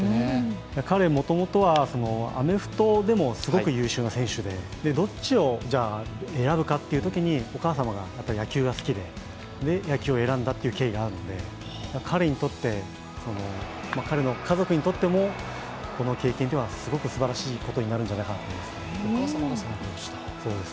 彼、もともとはアメフトでもすごく優秀な選手でどっちを選ぶかっていうときにお母様が野球が好きで、それで野球を選んだという経緯があるので、彼にとって、彼の家族にとっても、この経験はすごくすばらしいことになるんじゃないかと思います。